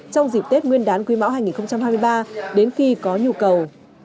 trong dịp tết nguyên đán quý mão hai nghìn hai mươi ba đến khi có nhu cầu